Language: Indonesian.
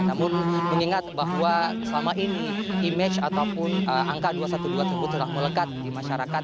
namun mengingat bahwa selama ini image ataupun angka dua ratus dua belas tersebut telah melekat di masyarakat